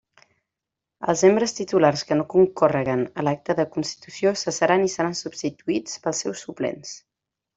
Els membres titulars que no concórreguen a l'acte de constitució cessaran i seran substituïts pels seus suplents.